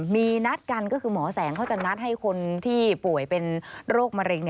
มีนัดกันก็คือหมอแสงเขาจะนัดให้คนที่ป่วยเป็นโรคมะเร็ง